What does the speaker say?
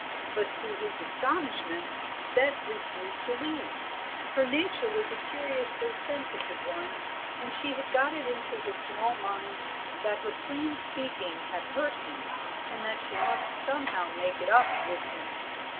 But to his astonishment Bet refused to leave him. Her nature was a curiously sensitive one, and she had got it into her small mind that her plain speaking had hurt him, and that she must somehow make it up with him.